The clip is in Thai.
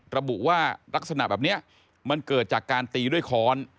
ระบุว่ารักษณะแบบนี้มันเกิดจากการตีด้วยค้อน